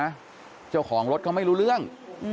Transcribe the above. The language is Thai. นี่เห็นไหมเจ้าของรถเขาไม่รู้เรื่อง